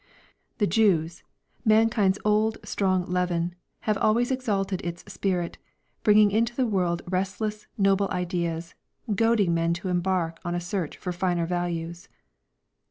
The Jews mankind's old, strong leaven, have always exalted its spirit, bringing into the world restless, noble ideas, goading men to embark on a search for finer values.